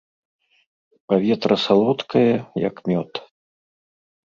Паветра салодкае, як мёд.